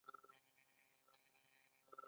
آیا طبیعي درملنه په ایران کې دود نه ده؟